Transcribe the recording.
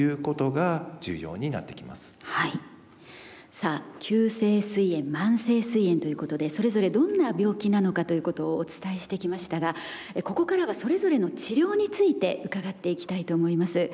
さあ急性すい炎慢性すい炎ということでそれぞれどんな病気なのかということをお伝えしてきましたがここからはそれぞれの治療について伺っていきたいと思います。